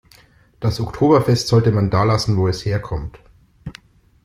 Das Oktoberfest sollte man da lassen, wo es herkommt.